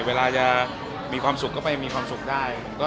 เวลาจะมีความสุขก็ไปมีความสุขได้